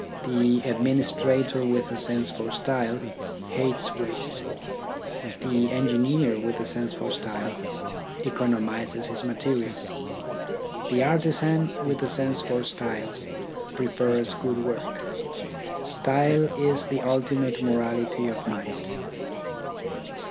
The administrator with a sense for style, hates waste ; the engineer with a sense for style, economises his material; THE AIMS OF EDUCATION 25 the artisan with a sense for style, prefers good work. Style is the ultimate morality of mind.